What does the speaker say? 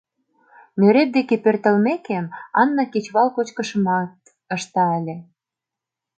Нӧреп деке пӧртылмекем, Анна кечывал кочкышымат ышта ыле.